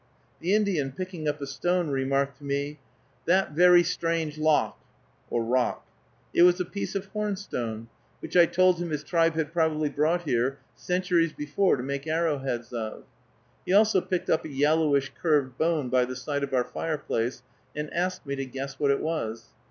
The Indian, picking up a stone, remarked to me, "That very strange lock (rock)." It was a piece of hornstone, which I told him his tribe had probably brought here centuries before to make arrowheads of. He also picked up a yellowish curved bone by the side of our fireplace and asked me to guess what it was.